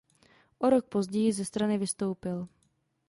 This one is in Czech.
O rok později ze strany vystoupil.